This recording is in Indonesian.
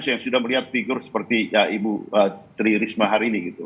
yang sudah melihat figur seperti ibu tri risma hari ini gitu